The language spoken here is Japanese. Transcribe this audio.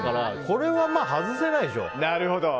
これは外せないでしょ。